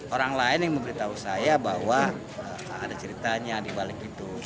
orang lain yang memberitahu saya bahwa ada ceritanya dibalik itu